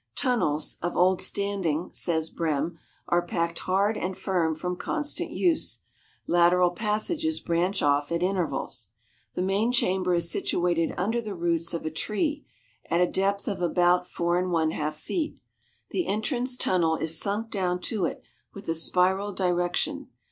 Tunnels, of old standing, says Brehm, are packed hard and firm from constant use. Lateral passages branch off at intervals. The main chamber is situated under the roots of a tree at a depth of about four and one half feet; the entrance tunnel is sunk down to it with a spiral direction.